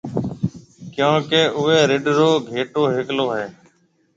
ڪيونڪہ اُوئي رڍ رو گھيَََٽو هيڪلو هيَ۔